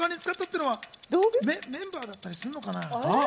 メンバーだったりするのかな？